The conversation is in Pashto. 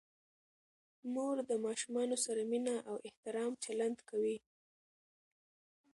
مور د ماشومانو سره مینه او احترام چلند کوي.